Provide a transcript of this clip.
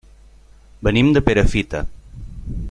Venim de Perafita.